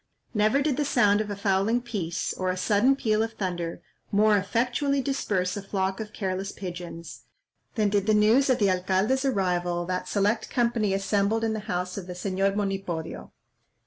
Never did the sound of a fowling piece, or a sudden peal of thunder, more effectually disperse a flock of careless pigeons, than did the news of the alcalde's arrival that select company assembled in the house of the Señor Monipodio.